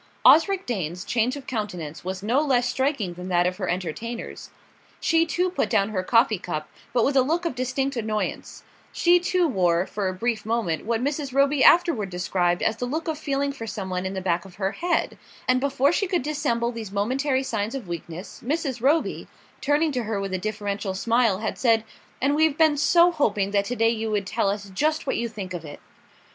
Osric Dane's change of countenance was no less striking than that of her entertainers. She too put down her coffee cup, but with a look of distinct annoyance; she too wore, for a brief moment, what Mrs. Roby afterward described as the look of feeling for something in the back of her head; and before she could dissemble these momentary signs of weakness, Mrs. Roby, turning to her with a deferential smile, had said: "And we've been so hoping that to day you would tell us just what you think of it."